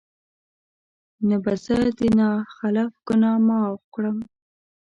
نه به زه د نا خلف ګناه معاف کړم